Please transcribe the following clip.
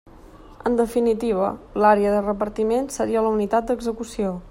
En definitiva, l'àrea de repartiment seria la unitat d'execució.